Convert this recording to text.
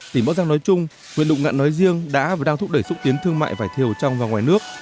tỉnh bắc giang nói chung huyện lụng ngạn nói riêng đã và đang thúc đẩy xúc tiến thương mại vải thiều trong và ngoài nước